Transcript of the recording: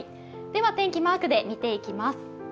では天気、マークで見ていきます。